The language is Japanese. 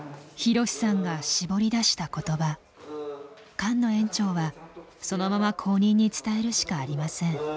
菅野園長はそのまま後任に伝えるしかありません。